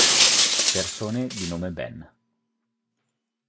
Persone di nome Ben